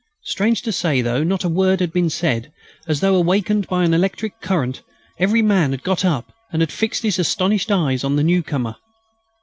Strange to say, though not a word had been said, as though awakened by an electric current, every man had got up and had fixed his astonished eyes on the newcomer.